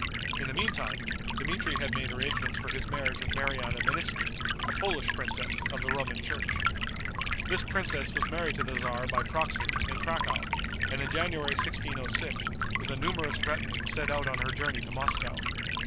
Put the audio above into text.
In the meantime, Dmitri had made arrangements for his marriage with Mariana Meneiski, a Polish princess, of the Roman church. This princess was married to the tzar by proxy, in Cracow, and in January, 1606, with a numerous retinue set out on her journey to Moscow.